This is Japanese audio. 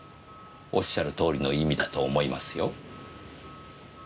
おっしゃるとおりの意味だと思いますよ。